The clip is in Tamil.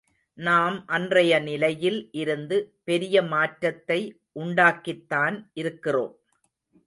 நாம் அன்றைய நிலையில் இருந்து பெரிய மாற்றத்தை உண்டாக்கித்தான் இருக்கிறோம்.